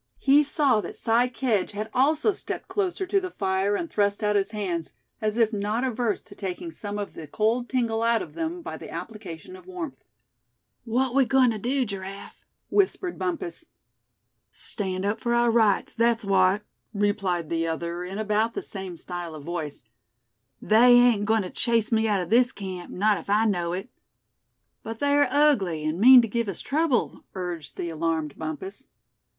He saw that Si Kedge had also stepped closer to the fire, and thrust out his hands, as if not averse to taking some of the cold tingle out of them by the application of warmth. "What we goin' to do, Giraffe?" whispered Bumpus. "Stand up for our rights, that's what," replied the other, in about the same style of voice. "They ain't going to chase me out of this camp, not if I know it." "But they're ugly, and mean to give us trouble," urged the alarmed Bumpus.